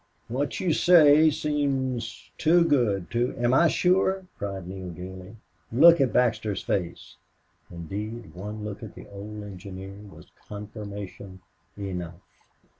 What you say seems too good too " "Am I sure?" cried Neale, gaily. "Look at Baxter's face!" Indeed, one look at the old engineer was confirmation enough.